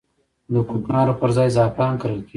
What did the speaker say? د کوکنارو پر ځای زعفران کرل کیږي